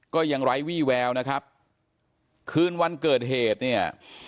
ก็ยังไร้วี่แววนะครับคืนวันเกิดเหตุเนี่ย